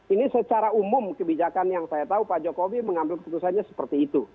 ini secara umum kebijakan yang saya tahu pak jokowi mengambil keputusannya seperti itu